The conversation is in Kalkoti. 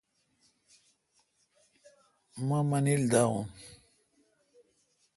مہ منیل داوان